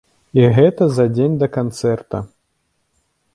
І гэта за дзень да канцэрта!